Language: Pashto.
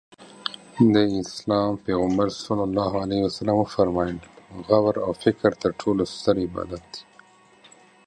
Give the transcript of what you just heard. د اسلام پیغمبر ص وفرمایل غور او فکر تر ټولو ستر عبادت دی.